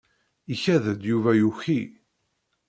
Ikad-d Yuba yuki.